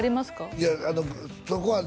いやそこはね